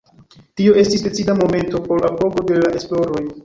Tio estis decida momento por apogo de la esploroj.